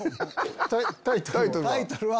タイトルは？